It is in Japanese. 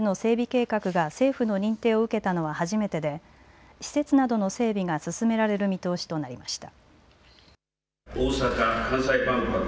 計画が政府の認定を受けたのは初めてで施設などの整備が進められる見通しとなりました。